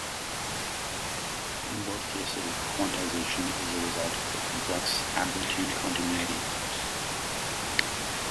In both cases, the quantization is a result of the complex amplitude continuity.